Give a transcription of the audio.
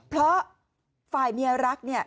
เพราะฝ่ายเมียรักเนี่ย